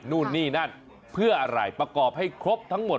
นู่นนี่นั่นเพื่ออะไรประกอบให้ครบทั้งหมด